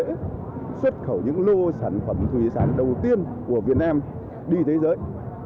chúng ta sẽ xuất khẩu những lô sản phẩm thủy sản đầu tiên của việt nam đi thế giới